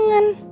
nggak mau ya